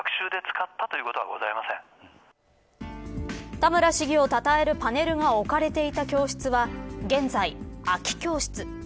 田村市議をたたえるパネルが置かれていた教室は現在、空き教室。